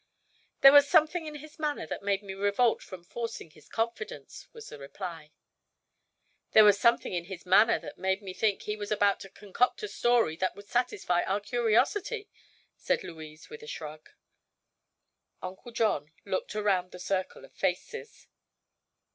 "There was something in his manner that made me revolt from forcing his confidence," was the reply. "There was something in his manner that made me think he was about to concoct a story that would satisfy our curiosity," said Louise with a shrug. Uncle John looked around the circle of faces.